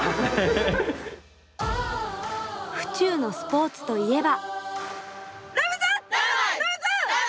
府中のスポーツといえば。